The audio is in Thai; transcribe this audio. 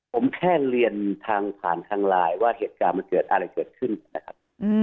ผมแค่เรียนทางผ่านทางไลน์ว่าเหตุการณ์มันเกิดอะไรเกิดขึ้นนะครับ